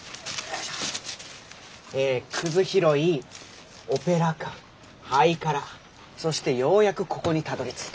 えくず拾いオペラ館ハイカラそしてようやくここにたどりついた。